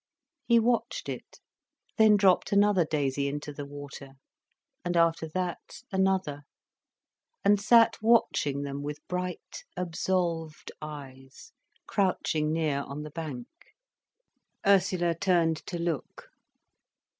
He watched it, then dropped another daisy into the water, and after that another, and sat watching them with bright, absolved eyes, crouching near on the bank. Ursula turned to look.